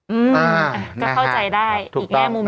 อืมจะเข้าใจได้อีกแง่มุมนึง